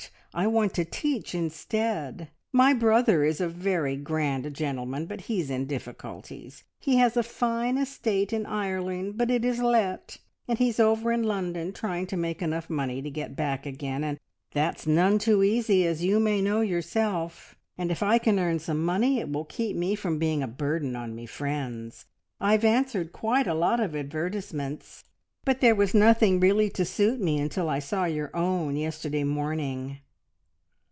I want to teach instead. My brother is a very grand gentleman, but he's in difficulties. He has a fine estate in Ireland, but it is let, and he's over in London trying to make enough money to get back again, and that's none too easy, as you may know yourself, and if I can earn some money it will keep me from being a burden on me friends. I've answered quite a lot of advertisements, but there was nothing really to suit me until I saw your own yesterday morning."